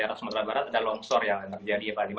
erasmus daerah barat ada longshore yang terjadi